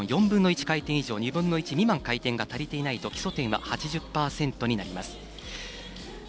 ４分の１回転以上２分の１回転が足りていないと基礎点は８０％になります。